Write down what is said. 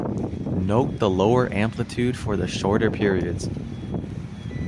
Note the lower amplitude for the shorter periods.